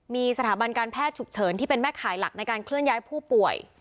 มีสถาบันการแพทย์ฉุกเฉินที่เป็นแม่ข่ายหลักในการเคลื่อนย้ายผู้ป่วย